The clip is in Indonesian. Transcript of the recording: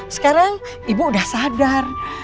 sekarang ibu udah sadar